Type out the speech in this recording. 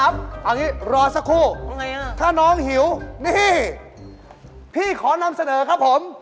เอางี้รอสักครู่ถ้าน้องหิวนี่พี่ขอนำเสนอครับผม